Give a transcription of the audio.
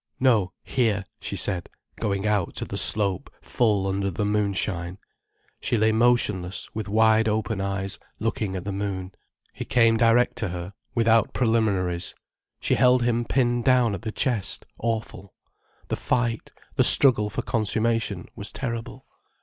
"No, here," she said, going out to the slope full under the moonshine. She lay motionless, with wide open eyes looking at the moon. He came direct to her, without preliminaries. She held him pinned down at the chest, awful. The fight, the struggle for consummation was terrible.